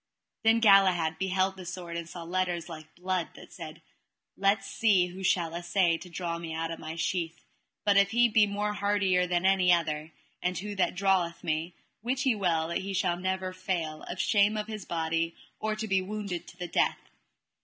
Then Galahad beheld the sword and saw letters like blood that said: Let see who shall assay to draw me out of my sheath, but if he be more hardier than any other; and who that draweth me, wit ye well that he shall never fail of shame of his body, or to be wounded to the death.